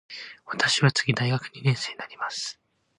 私は次大学二年生になります。